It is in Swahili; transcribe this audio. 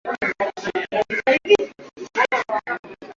Bali muluma kwa imbwa ya ba jirani